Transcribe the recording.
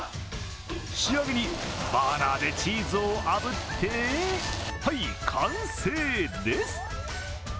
仕上げに、バーナーでチーズをあぶって、はい、完成です。